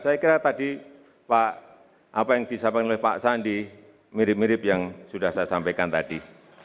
saya kira tadi pak apa yang disampaikan oleh pak sandi mirip mirip yang sudah saya sampaikan tadi